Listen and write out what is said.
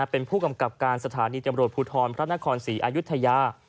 เป็นผู้กำกับการสถานีตำรวจภูทรพระนครศรีอายุทยา